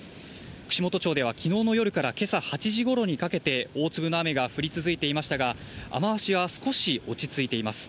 串本町ではきのうの夜から今朝８時頃にかけて、大粒の雨が降り続いていましたが、雨脚は少し落ち着いています。